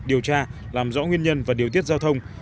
điều tra làm rõ nguyên nhân và điều tiết giao thông